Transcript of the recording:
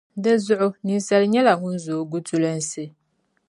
Dinzuɣu, ninsala nyɛla ŋun zooi gutulunsi.